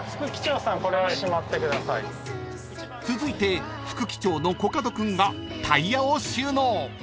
［続いて副機長のコカド君がタイヤを収納］